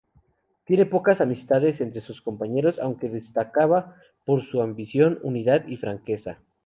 Tenía pocas amistades entre sus compañeros, aunque destacaba por su ambición, unidad y franqueza.